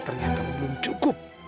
ternyata belum cukup